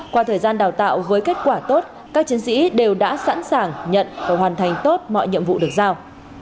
qua thời gian đào tạo với kết quả tốt các chiến sĩ đều đã sẵn sàng nhận và hoàn thành tốt mọi nhiệm vụ được giao